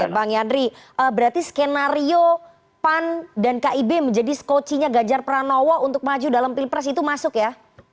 bang yandri berarti skenario pan dan kib menjadi skocinya ganjar pranowo untuk maju dalam pilpres itu masuk ya